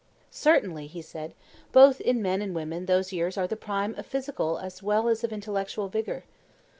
Certainly, he said, both in men and women those years are the prime of physical as well as of intellectual vigour.